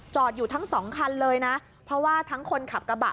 อยู่ทั้งสองคันเลยนะเพราะว่าทั้งคนขับกระบะ